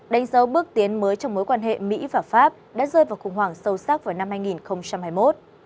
đánh dấu bước tiến mới trong mối quan hệ mỹ và pháp đã rơi vào khủng hoảng sâu sắc vào năm hai nghìn hai mươi một